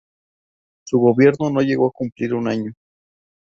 Su gobierno no llegó a cumplir un año.